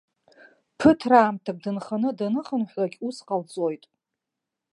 Ԥыҭраамҭак дынханы даныхынҳәлак, ус ҟалҵоит.